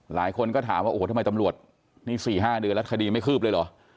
หลายคนก็ถามว่าโอ้โหทำไมตำรวจนี่๔๕เดือนแล้วคดีไม่คืบเลยเหรอ